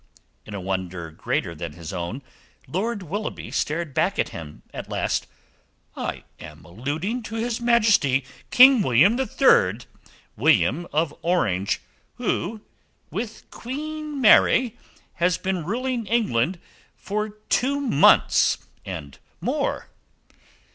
In a wonder greater than his own, Lord Willoughby stared back at him. At last: "I am alluding to His Majesty King William III William of Orange who, with Queen Mary, has been ruling England for two months and more."